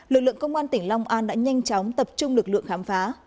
lực lượng công an tỉnh long an đã nhanh chóng tập trung lực lượng khám phá